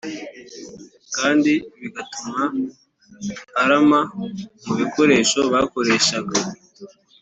kandi bigatuma arama mu bikoresho bakoreshaga